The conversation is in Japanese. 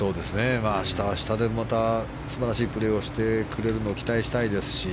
明日は明日で、また素晴らしいプレーしてくれるのを期待したいですし。